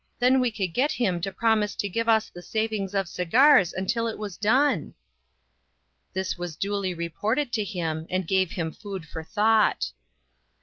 then we would get him to promise to give us the savings of cigars until it was done !" This was duly reported to him, and gave him food for thought.